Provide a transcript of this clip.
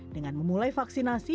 dengan memulai vaksinasi